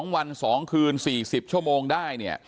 ๒วัน๒คืน๔๐ชั่วโมงได้เนี่ย